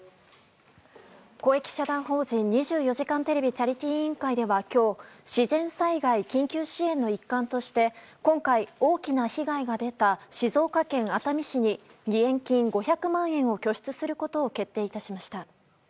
公益社団法人２４時間テレビチャリティー委員会では今日、自然災害緊急支援の一環として今回、大きな被害が出た静岡県熱海市に義援金５００万円を拠出することを決定致しました。